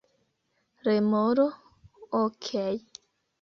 Remoro: "Okej."